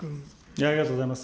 ありがとうございます。